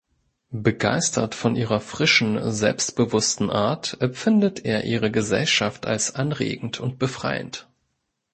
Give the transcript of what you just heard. Begeistert von ihrer frischen, selbstbewussten Art, empfindet er ihre Gesellschaft als anregend und befreiend.